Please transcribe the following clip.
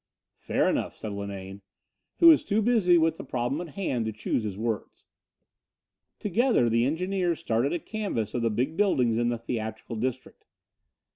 "Fair enough," said Linane, who was too busy with the problem at hand to choose his words. Together the engineers started a canvass of the big buildings in the theatrical district.